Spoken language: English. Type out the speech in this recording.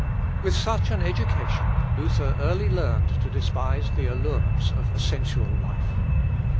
With such an education, Luther early learned to despise the allurements of a sensual life.